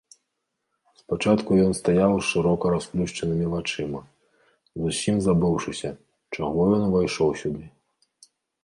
Спачатку ён стаяў з шырока расплюшчанымі вачыма, зусім забыўшыся, чаго ён увайшоў сюды.